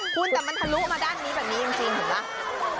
คุณแต่มันทะลุมาด้านนี้แบบนี้จริงเห็นไหม